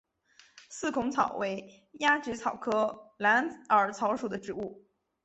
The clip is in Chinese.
四孔草为鸭跖草科蓝耳草属的植物。